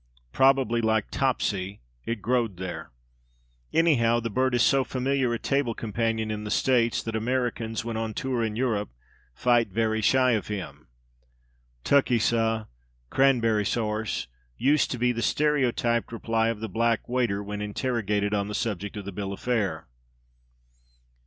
Probably, like Topsy, it "growed" there. Anyhow the bird is so familiar a table companion in the States, that Americans, when on tour in Europe, fight very shy of him. "Tukkey, sah, cranberry sarce," used to be the stereotyped reply of the black waiter when interrogated on the subject of the bill of fare.